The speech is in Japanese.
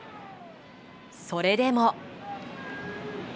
それでも。